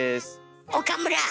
岡村！